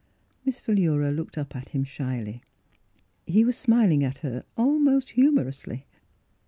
Miss Philura looked up at him shyly. He was smiling at her almost humorously.